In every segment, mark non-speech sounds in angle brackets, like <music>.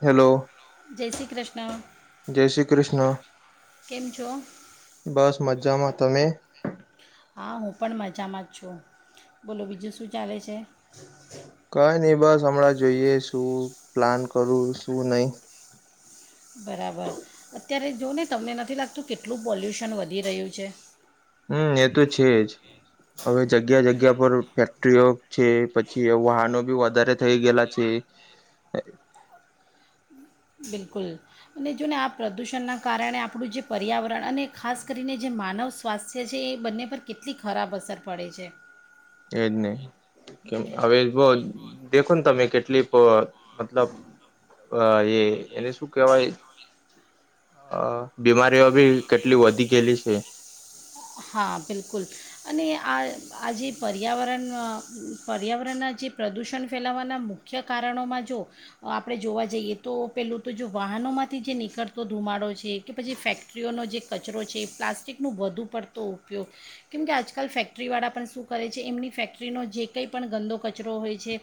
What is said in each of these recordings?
Hello. જય શ્રી ક્રષ્ણ. જય શ્રી ક્રષ્ણ. કેમ છો બસ મજામાં, તમે? હા હું પણ મજામાં જ છું, બોલો બીજું શું ચાલે છે? કંઈ ની બસ અમણાં જોઈએ શું પ્લાન કરું શું નઈ. બરાબર, અત્યારે જો ને તમને નથી લાગતું કેટલું પોલ્યુશન વધી રહ્યું છે? હમ્મ એ તો છે જ હવે જગ્યા જગ્યા પર ફેક્ટરીઓ છે પછી વાહનો બી વધારે થઈ ગેલા છે. બિલકુલ અને જો ને આ પ્રદૂષણના કારણે આપણું જે પર્યાવરણ અને ખાસ કરીને જે માનવ સ્વાસ્થ્ય છે, એ બંને પર કેટલી ખરાબ અસર પડે છે. એ જ ને, ક હવે બો જ દેખો ન તમે કેટલી <unintelligible> મતલબ અ અ એ એને શું કેહવાય? અ બીમારીઓ બી કેટલી વધી ગેલી સે. હા, બિલકુલ અને આ આ જે પર્યાવરણના પર્યાવરણના જે પ્રદૂષણ ફેલાવવાના મુખ્ય કારણોમાં જો આપણે જોવા જઈએ, તો પેલ્લુ તો જો વાહનોમાંથી જે નીકળતો ધુમાડો છે કે પછી ફેક્ટરીઓનો જે કચરો છે પ્લાસ્ટિકનું વધુ પડ તો ઉપયોગ, કેમકે આજકાલ ફેક્ટરીવાળા પણ શું કરે છે એમની ફેક્ટરીનો જે કંઈ પણ ગંદો કચરો હોય છે,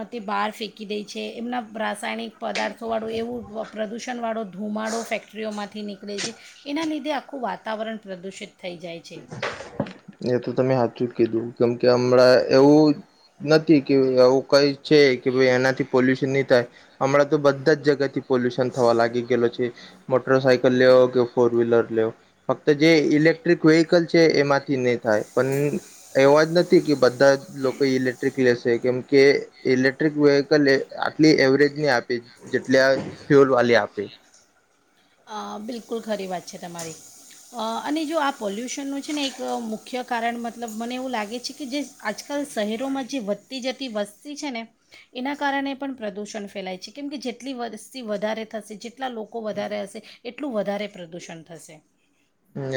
અ તે બહાર ફેંકી દે છે, એમના રાસાયણિક પદાર્થોવાળું એવું પ્ર પ્રદૂષનવાળો ધુમાડો ફેક્ટરીઓમાંથી નીકળે છે, એના લીધે આખું વાતાવરણ પ્રદૂષિત થઈ જાય છે. એ તો તમે સાાચું કીધું કેમ કે હમણાં એવું નથી કે આવું કઈ છે કે ભ એનાથી પોલ્યુશન નહી થાય, હમણાં તો બધા જ જગ્યા થી પોલ્યુશન થવા લાગી ગયેલો છે, મોટર સાાયકલ લેવ કે ફોર વ્હીલર લેવ ફક્ત જે ઇલેક્ટ્રિક વ્હકલ છે એમાં નહી થાય પણ એવા જ નથી કે બધા લોકો ઇલેક્ટ્રિક લેશે કેમ કે ઇલેક્ટ્રિક વેહકલ આટલી એવરેજ નહી આપે જેટલા ફ્યુલ વાલી આપે. બિલકુલ ખરી વાત છે તમારી, અને જો આ પોલ્યુશનનું છે ને એક મુખ્ય કારણ મતલબ મને એવું લાગે છે કે જે આજકાલ શહેરોમાં જે વધતી જતી વસ્તી છે ને, એના કારણે પણ પ્રદૂષણ ફેલાય છે કેમ કે જેટલી વસ્તી વધારે થશે જેટલા લોકો વધારે હશે એટલું વધારે પ્રદૂષણ થશે.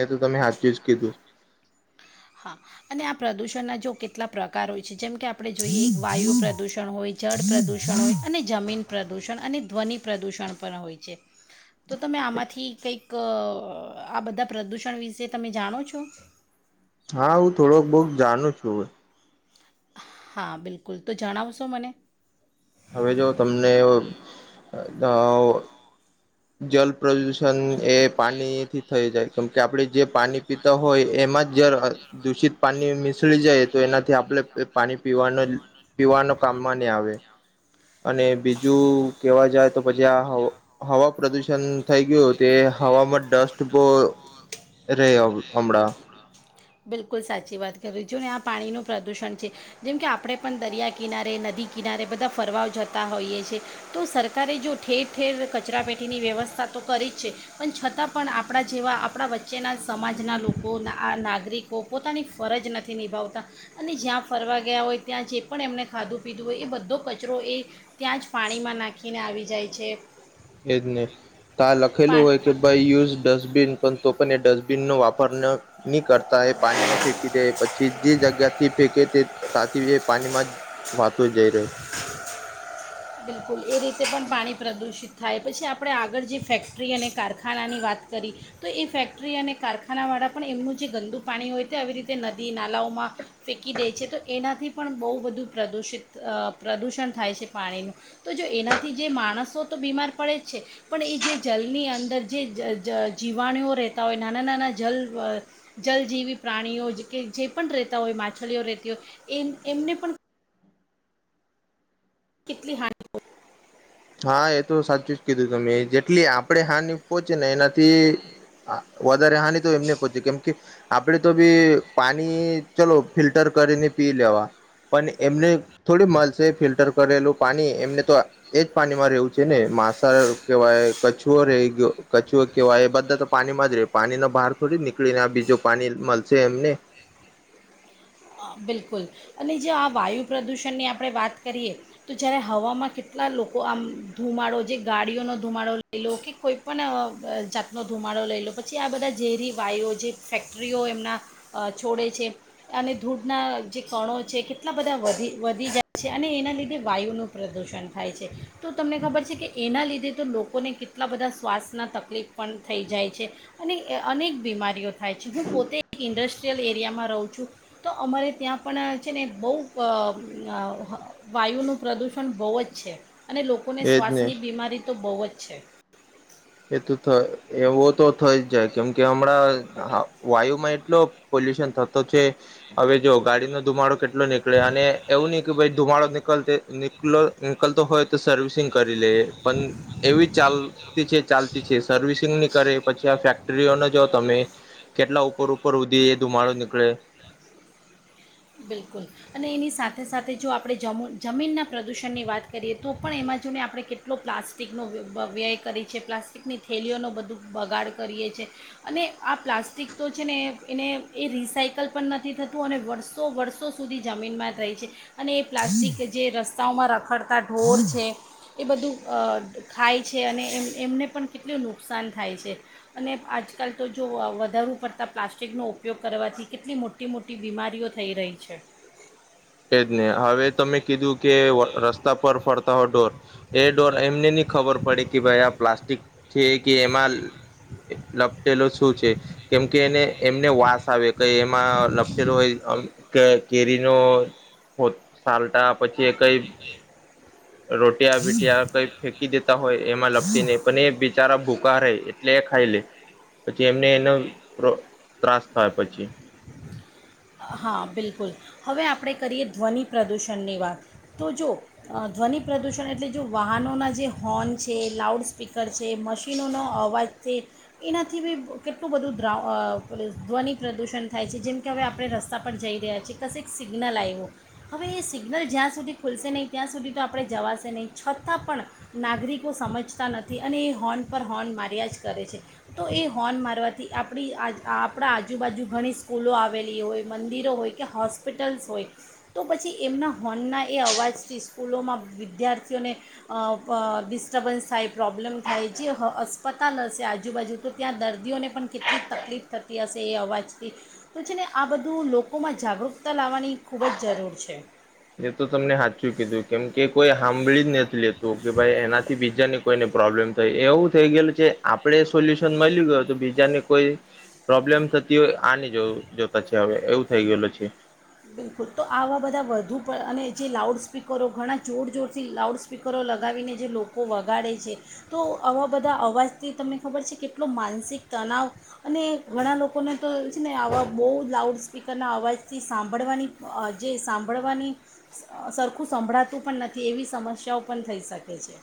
એ તો તમે સાચું જ કીધું હા અને આ પ્રદુષણના જો કેટલા પ્રકાર હોય છે જેમ કે આપણે જોઈએ વાયુ પ્રદુષણ હોય, જળ પ્રદુષણ હોય અને જમીન પ્રદુષણ અને ધ્વનિ પ્રદુષણ પણ હોય છે. તો તમે આમાંથી કંઈક ક આ બધા પ્રદૂષણ વિશે તમે જાણો છો? હા હું થોડોક બોક જાણુ છું, હવે હા બિલકુલ તો જણાવશો મને? હવે જો તમને અ જલ પ્રદૂષણ એ પાણી થી થઈ જાય કેમ કે આપણે જે પાણી પીતા હોય એમાં જ જ દૂષિત પાણી મસળી જાય તો એનાથી આપણે પાણી પીવા પીવાનો કામમાં નહી આવે. અને બીજું કેવા જાય તો પછી આ હવ હવા પ્રદુષણ થઈ ગયું તે હવામાં ડસ્ટ બહ રહે હમણાં <unintelligible> બિલકુલ સાચી વાત. કર જો ને આ પાણીનું પ્રદૂષણ છે, જેમ કે આપણે પણ દરિયા કિનારે, નદી કિનારે, બધા ફરવાઓ જતા હોઈએ છેએ તો સરકારે જો ઠેર ઠેર કચરા પેટીની વ્યવસ્થા તો કરી જ છે, પણ છતાં પણ આપણા જેવા આપણા વચ્ચેના સમાજના લોકો આ નાગરિકો પોતાની ફરજ નથી નિભાવતા, અને જ્યાં ફરવા ગયા હોય ત્યાં જે પણ એમને ખાધું પીધું હોય એ બધો કચરો એ ત્યાં જ પાણીમાં નાખીને આવી જાય છે. એજ નહી તા લખેલું પાણી હોય કે ભાઈ યુઝ ડસ્ટબિન, પણ તો પણ એ ડસ્ટબિન ન વાપર ન ની કરતા એ પાણીમાં ફેંકી દે પછી જે જગ્યા થી ફેંકે તે તાથી પાણીમાં વાતો જઈ રહ્યો. બિલકુલ એ રીતે પણ પાણી પ્રદૂષિત થાય પછી આપણે આગળ જે ફેક્ટરી અને કારખાનાની વાત કરી, તો એ ફેક્ટરી અને કારખાનાવાળા પણ એમનું જે ગંદુ પાણી હોય તે આવી રીતે નદી નાલાઓમાં, ફેંકી દે છે તો એનાથી પણ બહુ બધું પ્રદૂષિત પ્રદૂષણ થાય છે પાણીનું. તો જો એનાથી જે માણસો તો બીમાર પડે જ છે, પણ એ જે જલની અંદર જે જ જ જીવાણુઓ રહેતા હોય નાના નાના જલ જલજીવી પ્રાણીઓ કે જે પણ રહેતા હોય માછલીઓ રહેતી હોય, એ એમને પણ કેટલી હાની હા એ તો સાચું જ કીધું તમે જેટલી આપણે હાની પોહોંચે ને એનાથી વધારે હાની તો એમને પોહોંચે કેમ કે, આપડે તો બી પાણી ચલો ફિલ્ટર કરીને પી લેવા, પણ એમને થોડી મળશે ફિલ્ટર કરેલું પાણી એમને તો એજ પાણીમાં રહેવું છે ને માંસા કેવાય કછુઓ રહી ગયો કછુઓ કેહેવાય એ બધા તો પાણીમાં જ રેય પાણીનો બહાર થોડી નીકળીને આ બીજું પાણી મળશે એમને. બિલકુલ, અને જો આ વાયુ પ્રદૂષણની આપણે વાત કરીએ તો જ્યારે હવામાં કેટલા લોકો આમ ધુમાડો જે ગાડીઓનો ધુમાડો લઈ લો કે કોઈપણ જાતનો ધુમાડો લઈ લો પછી આ બધા ઝેરી વાયુ જે ફેક્ટરીઓ એમના, છોડે છે અને ધૂધના જે કણો છે કેટલા બધા વધી વધી જાય છે અને એના લીધે વાયુનું પ્રદૂષણ થાય છે, તો તમને ખબર છે કે એના લીધે તો લોકોને કેટલા બધા શ્વાસના તકલીફ પણ થઈ જાય છે, અને અનેક બીમારીઓ થાય છે હું પોતે એક ઇન્ડસ્ટ્રીયલ એરિયામાં રહું છું. તો અમારે ત્યાં પણ છે ને બહુ અ વાયુનું પ્રદૂષણ બહુ જ છે. અને લોકોને એજ ને શ્વાસની બીમારી તો બહુ જ. છે. એ તો થ એવો તો થઈ જ જાય કેમ કે હમણાં વાયુમાં એટલો પોલ્યુશન થતો છે, હવે જો ગાડીનો ધુમાડો કેટલો નીકળે અને એવું નહી કે ભાઈ ધુમાડો નીકળ ની નીકળતો હોય તો સર્વિસિંગ કરે. લે પણ એવી ચાલ તી છે ચાલતી. છે સર્વિસિંગ ની કરે, પછી આ ફેક્ટરીઓને જ તમે, કેટલા ઉપર ઉપર ઉધી એ ધુમાડો નીકળે. બિલકુલ, અને એની સાથે સાથે જો આપણે જમ જમીનના પ્રદૂષણની વાત કરીએ તો પણ એમાં જોઈને આપણે કેટલો પ્લાસ્ટિકનો વ્યય કરીએ છીએ પ્લાસ્ટિકની થેલીઓનો બધું બગાડ કરીએ છીએ, અને આ પ્લાસ્ટિક તો છે ને એને એ રિસાયકલ પણ નથી થતું અને વર્ષ સો વર્ષો સુધી જમીનમાં થાય છે, અને એ પ્લાસ્ટિક જે રસ્તાઓમાં રખડતા ઢોર છે, એ બધું અ ખાય છે અને એમ એમને પણ કેટલું નુકસાન થાય છે, અને આજકાલ તો જો વધારું પડતાં પ્લાસ્ટિકનો ઉપયોગ કરવાથી કેટલી મોટી મોટી બીમારીઓ. થઈ રહી છે. એજ ને, હવે તમે કીધું. કે રસ્તા પર ફરતા હોય ઢોર. એ ઢોર એમને નહી ખબર પડી કે ભાઈ આ પ્લાસ્ટિક. છે. કે એમાં. લપટેલો શું છે કેમકે એને એમને વાસ આવે ક એમાં લપટેલો હોય અ કેરીનો. ઓ સાલટા પછી એ કઈ. રોટિયા બીટિયા કઈ ફેંકી દેતા હોય એમાં લપટી ને પણ એ બિચારા ભૂખ. <unintelligible> એટલે એ ખાઈ લે પછી એમને રો એનો ત્રાસ થાય પછી. હા બિલકુલ, હવે આપણે કરીએ ધ્વનિ પ્રદૂષણની વાત. તો જો ધ્વનિ પ્રદૂષણ એટલે જો વાહનોના જે હોર્ન છે, લાઉડ સ્પીકર છે, મશીનોનો અવાજ થી, એનાથી બી કેટલું બધું દ્રા અહ પેલી ધ્વનિ પ્રદૂષણ થાય છે જેમ કે હવે આપણે રસ સ્તા પર જઈ રહ્યા છી, કશેક સિગ્નલ આવ્યું, હવે એ સિગ્નલ જ્યાં સુધી ખુલશે નહીં ત્યાં સુધી તો આપણે જવાશે નહીં છતાં પણ નાગરિકો સમજતા નથી અને એ હોર્ન પર હોર્ન માર્યા જ કરે છે. તો એ હોર્ન મારવાથી આપણી આ આજ આપણા આજુબાજુ ઘણી સ્કૂલો આવેલી હોય મંદિરો હોય કે હોસ્પિટલ્સ હોય તો પછી એમના હોર્નના એ અવાજથી સ્કૂલોમાં વિદ્યાર્થીઓને અહ અહ ડિસ્ટર્બન્સ થાય, પ્રોબ્લેમ થાય, જે અસ્પતાલ હશે આજુબાજુ તો ત્યાં દર્દીઓને પણ કેટલીક તકલીફ થતી હશે એ અવાજથી, તો છે ને આ બધ ધું લોકોમાં જાગૃકતા લાવવાની ખૂબ જ જરૂર છે. એ તો તમને હાચું કીધું, કેમ કે કોઈ હામ <unintelligible> નથી લેતું કે ભાઈ એનાથી બીજાને કોઈને પ્રોબ્લેમ થાય એવું થઈ ગયેલું છે આપડે સોલ્યુશન મળી ગયો તો બીજાને કોઈ પ્રોબ્લેમ થતી હોય આ નહી જોઉ જોતા છે હવે એવું થઈ ગયેલું છે. બિલકુલ તો આવા બધા વધુ પણ અને જે લાઉડ સ્પીકરો ઘણા જોર જોરથી લાઉડ સ્પીકરો લગાવીને જે લોકો વગાડે છે, તો આવા બધા અવાજથી તમને ખબર છે કેટલો માનસિક તનાવ અને ઘણા લોકોને તો છે ને આવા બહુ લાઉડ સ્પીકરના અવાજથી સાંભળવાની અહ જે સાંભળવાની સ સરખું સંભળાતું પણ નથી એવી સમસ્યાઓ પણ થઈ શકે છે.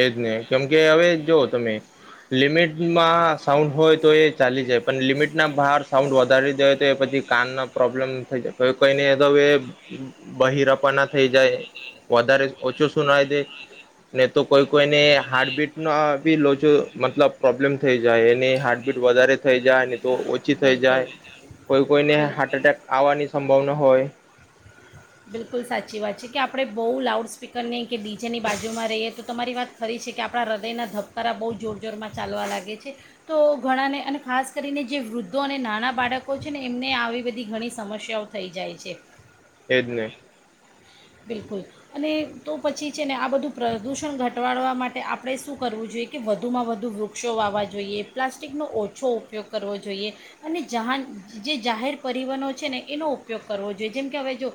એજ ને કેમ કે હવે જો તમે લિમિટમાં સાઉન્ડ હોય તો એ ચાલી જાય પણ લિમિટ ના બહાર સાઉન્ડ વધારી દે હોય તો એ પછી કાન ના પ્રોબ્લેમ થઈ જાય, કોઈ કોઈને તો હવે બહેરપાના થઈ જાય, વધારે ઓછું સુુંનાઈ દે ને તો કોઈ કોઈને હાર્ટબીટ નો અહ બી લોચો મતલબ પ્રોબ્લેમ થઈ જાય એની હાર્ટબીટ વધારે થઈ જાય. તો ઓછી થઈ બિલકુલ જાય, કોઈ-કોઈને બિલ હાર્ટ એટેક આવવાની સંભાવના હોય. બિલકુલ સાચી વાત છે કે આપણે બહુ લાઉડસ્પીકરની કે ડી જેની બાજુમાં રહીએ તો તમારી વાત ખરી છે કે આપણા હૃદયના ધબકારા બહુ જોર જોરમાં ચાલવા લાગે છે, તો ઘણાને અને ખાસ કરીને જે વૃદ્ધો અને નાના બાળકો છે ને એમને આવી બધી ઘણી સમસ્યાઓ થઈ જાય છે. એજને. બિલકુલ અને તો પછી છે ને આ બધું પ્રદૂષણ ઘટવાડવા માટે આપણે શું કરવું જોઈએ કે વધુમાં વધુ વૃક્ષો વાવવા જોઈએ, પ્લાસ્ટિકનો ઓછો ઉપયોગ કરવો જોઈએ, અને જહાન જે જાહેર પરિવહનો છે ને એનો ઉપયોગ કરવો જોઈએ જેમકે હવે જો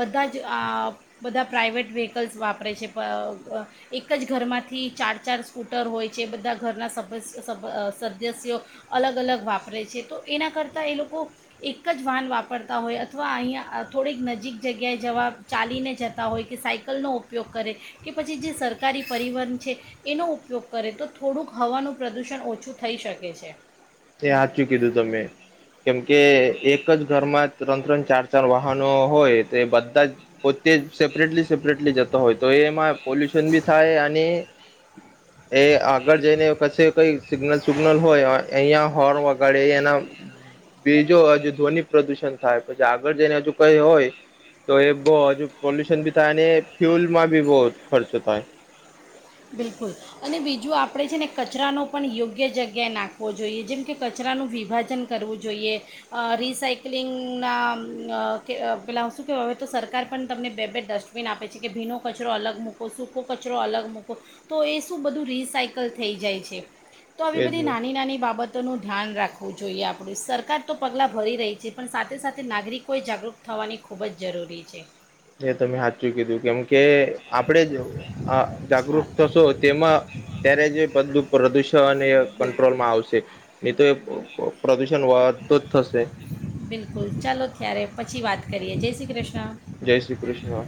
બધા જ અહ બધા પ્રાઇવેટ વ્હીકલ્સ વાપરે છે બ બ એક જ ઘરમાંથી ચાર-ચાર સ્કૂટર હોય છે, બધા ઘરના સભસ સભ અહ સદસ્યો અલગ અલગ વાપરે છે, તો એના કરતાં એ લોકો એક જ વાહન વાપરતા હોય અથવા અહીંયા થોડીક નજીક જગ્યાએ જવા ચાલીને જતા હોય કે સાયકલનો ઉપયોગ કરે કે પછી જે સરકારી પરિવહન છે એનો ઉપયોગ કરે તો થોડુંક હવાનું પ્રદૂષણ ઓછું થઈ શકે છે. એ હાચું કીધું તમે, કેમ કે એક જ ઘરમાં ત્રણ-ત્રણ ચાર-ચાર વાહનો હોય તો એ બધા જ પોતે સેપરેટલી સેપરેટલી જતો હોય તો એમાં પોલ્યુશન બી થાય, અને એ આગળ જઈને ક કઈ સિગ્નલ સુગ્નલ હોય. અહં હોર્ન વગાડે એના બીજો હજુ ધ્વનિ પ્રદુષણ થાય પછી આગળ જને હજુ કઈ હોય તો એ બહ હજુ પોલ્યુશન બી થાય અને ફ્યુલમાં બી બહ ખર્ચો થાય. બિલકુલ, અને બીજું આપણે છે ને કચરાનો પણ યોગ્ય જગ્યાએ નાખવો જોઈએ જેમ કે કચરાનું વિભાજન કરવું જોઈએ અ રિસઇકલિંગના અ પેલાં શું કહેવા તો સરકાર પણ તમને બે બે ડસ્ટબિન આપે છે કે ભીનો કચરો અલગ મૂકો સૂકો કચરો અલગ મૂક. કો તો એ શું બધું રિસાયકલ થઈ જાય છે. તો આવી એજ બધી નાની નાની બાબત નું ધ્યાન રાખવું જોઈએ આપડું સરકાર તો પગલા ભરી રહી છે પણ સાથે સાથે નાગરિકોએ જાગૃત થવાની ખૂબ જ જરૂરી છે. એ તમે હાચું કીધું કેમ કે આપણેે જ અ હા જાગૃત થશો તેમાં ત્યારે જે બધું પ્રદૂષ ત અને બિલકુલ કંટ્રોલ માં આવશે. એ તો એ પ્ર પ્રદૂષ બિલકુલ ચાલો ત્યારે પછી વાત કરીએ જૈસી ક્રશ જય શ્રી કૃષ્ણ.